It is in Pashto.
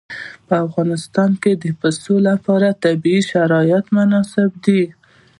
په افغانستان کې د پسه لپاره طبیعي شرایط مناسب دي.